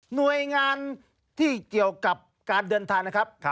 หน่วยงานที่เกี่ยวกับการเดินทางนะครับ